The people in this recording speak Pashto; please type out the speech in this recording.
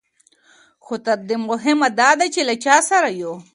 خو تر دې مهمه دا ده چې له چا سره یو.